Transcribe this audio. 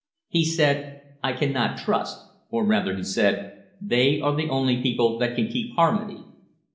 He said, I cannot trust or rather, he said, They are the only people that can keep harmony.